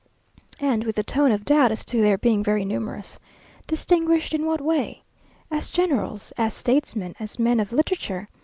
and with a tone of doubt as to their being very numerous. Distinguished in what way? As generals, as statesmen, as men of literature?